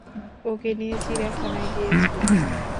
ওকে নিয়ে চিড়িয়াখানায় গিয়েছিলাম!